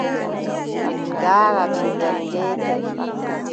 Min ndaara to ngel geetel.